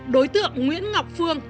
đối tượng nguyễn ngọc phương